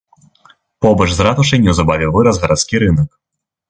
Побач з ратушай неўзабаве вырас гарадскі рынак.